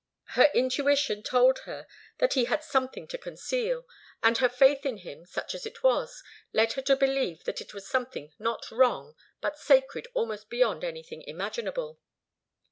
Her intuition told her that he had something to conceal, and her faith in him, such as it was, led her to believe that it was something not wrong, but sacred almost beyond anything imaginable.